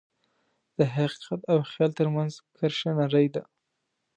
د حقیقت او خیال ترمنځ کرښه نری ده.